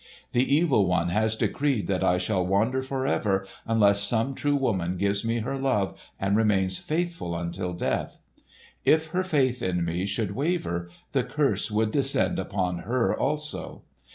The Evil One has decreed that I shall wander forever, unless some true woman gives me her love and remains faithful until death. If her faith in me should waver, the curse would descend upon her also.